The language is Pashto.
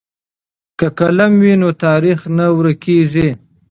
که قلم وي نو تاریخ نه ورکېږي.